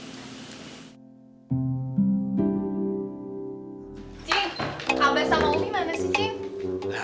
cim hamba sama umi mana sih cim